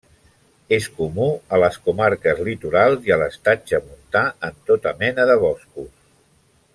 És comú a les comarques litorals i a l'estatge montà en tota mena de boscos.